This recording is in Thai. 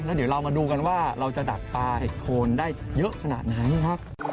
แล้วดูกันว่าเราจะดัดปลาเห็ดโคลได้เยอะขนาดไหน